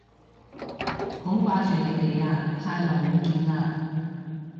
好掛住你哋啊，太耐冇見喇